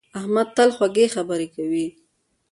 احمد تل خوږې خبرې کوي.